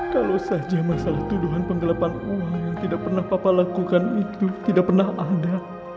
kalau saja masalah tuduhan penggelapan uang yang tidak pernah papa lakukan itu tidak pernah ada